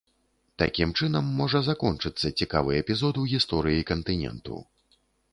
Такім чынам можа закончыцца цікавы эпізод у гісторыі кантыненту.